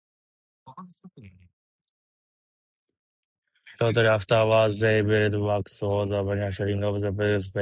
Shortly afterwards, they built works for the manufacturing of a gas pipe.